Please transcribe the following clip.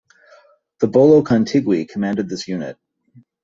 The bolo kun-tigui commanded this unit.